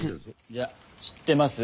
じゃあ知ってます？